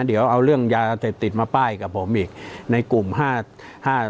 เดี๋ยวเอาเรื่องยาเสพติดมาป้ายกับผมอีกในกลุ่มห้าห้า